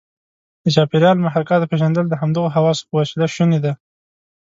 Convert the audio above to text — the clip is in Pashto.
د چاپیریال محرکاتو پېژندل د همدغو حواسو په وسیله شونې ده.